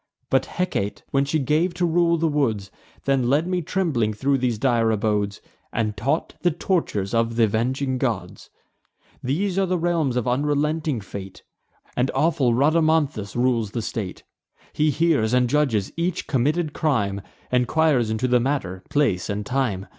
But Hecate, when she gave to rule the woods, Then led me trembling thro' these dire abodes, And taught the tortures of th' avenging gods. These are the realms of unrelenting fate; And awful Rhadamanthus rules the state. He hears and judges each committed crime; Enquires into the manner, place, and time.